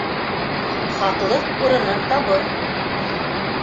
Хаҡлыҡ урынын табыр.